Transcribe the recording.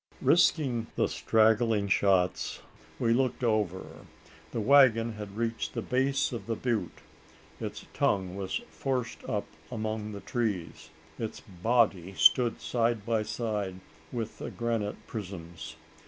Risking the straggling shots, we looked over. The waggon had reached the base of the butte; its tongue was forced up among the trees its body stood side by side with the granite prisms.